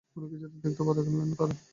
কোনোকিছুই দেখতে বাদ রাখলেন না তাঁরা।